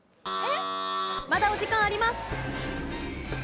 まだお時間あります。